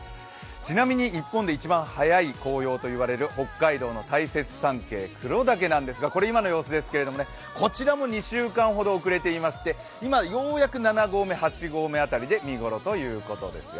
ちなみに日本で一番早い紅葉と言われる北海道の黒岳、大雪山系なんですがこれ今の様子ですけれども、こちらも２週間ほど遅れていまして、今、ようやく７合目、８合目辺りで見頃ということですよ。